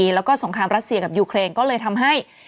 แล้วก็สงครามรัสเซียกับยูเครนก็เลยทำให้